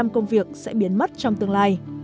hai mươi bảy công việc sẽ biến mất trong tương lai